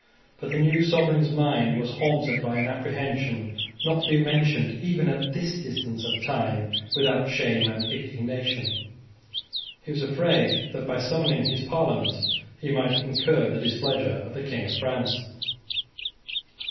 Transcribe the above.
But the new sovereign's mind was haunted by an apprehension not to be mentioned even at this distance of time, without shame and indignation. He was afraid that by summoning his Parliament he might incur the displeasure of the King of France.